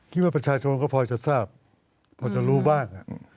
คิดว่าประชาชนก็พอจะทราบพอจะรู้บ้าง